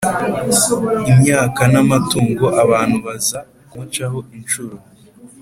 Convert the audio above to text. imyaka n' amatungo; abantu baza kumucaho inshuro,